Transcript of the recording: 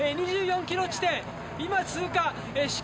２４ｋｍ地点、今、通過。